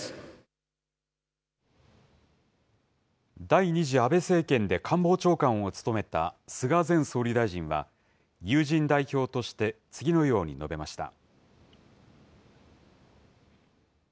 第２次安倍政権で官房長官を務めた菅前総理大臣は、友人代表として、次のように述べました。